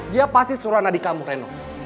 dia pasti suruh anadika mukreno